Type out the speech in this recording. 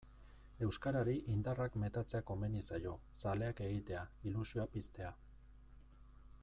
Euskarari indarrak metatzea komeni zaio, zaleak egitea, ilusioa piztea.